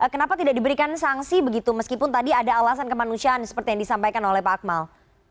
kenapa tidak diberikan sanksi begitu meskipun tadi ada alasan kemanusiaan seperti yang disampaikan oleh pak akmal